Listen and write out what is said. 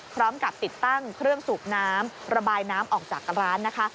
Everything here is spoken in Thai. พร้อมกับติดตั้งเครื่องสูบน้ำระบายน้ำออกจากร้านนะคะ